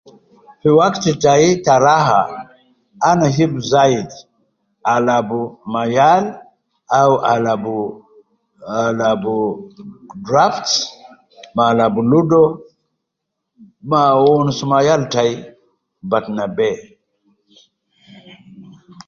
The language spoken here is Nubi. Fi wakti tayi ta raha, ana hibu zayidi alabu ma yal, awu, alabu, alabu draft) ma alabu ludo, ma wonus ma yal tayi fi batna be.